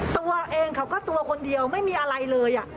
ตัวเองเขาก็ตัวคนเดียวไม่มีอะไรเลย